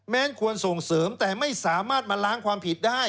ควรส่งเสริมแต่ไม่สามารถมาล้างความผิดได้